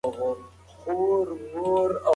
هوا د انسان په چلند کي بدلون راولي.